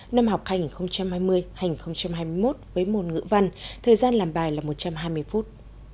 năm học hành hai mươi hai nghìn hai mươi một với môn ngữ văn thời gian làm bài là một trăm hai mươi phút